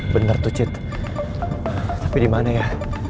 bener tuh cit tapi dimana ya